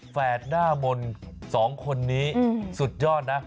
แฝดหน้ามนต์๒คนนี้สุดยอดนะ